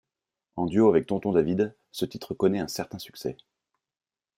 En duo avec Tonton David, ce titre connaît un certain succès.